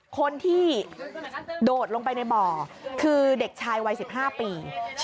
คนที่โดดลงไปในเบาะคือเด็กชายวัย๑๕ปี